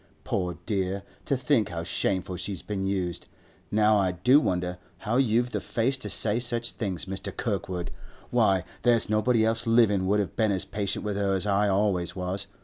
Poor dear! to think how shameful she's been used! Now I do wonder how you've the face to say such things, Mr. Kirkwood! Why, there's nobody else livin' would have been as patient with her as I always was.